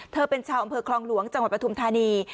เธอเป็นชาวอำเภอคลองหลวงจังหวัดปฐุมธานี